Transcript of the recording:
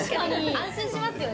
安心しますよね